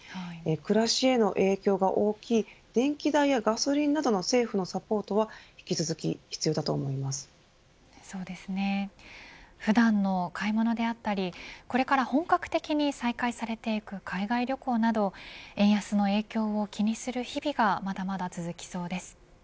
暮らしへの影響が大きい電気代やガソリンなどの政府のサポートが普段の買い物やこれから本格的に再開されていく海外旅行など円安の影響を気にする日々がまだまだ続きそうです。